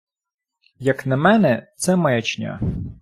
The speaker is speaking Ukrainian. Як на мене, це маячня.